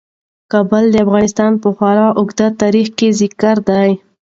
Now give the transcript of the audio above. کابل د افغانستان په خورا اوږده تاریخ کې ذکر دی.